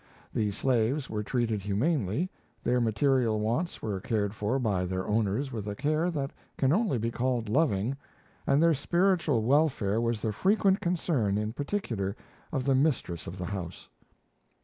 The slaves were treated humanely, their material wants were cared for by their owners with a care that can only be called loving, and their spiritual welfare was the frequent concern in particular of the mistress of the house.